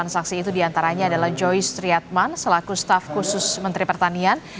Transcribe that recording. sembilan saksi itu diantaranya adalah joyce triatman selaku staf khusus menteri pertanian